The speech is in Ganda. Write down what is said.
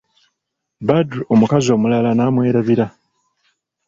Badru omukazi omulala n'amwerabira.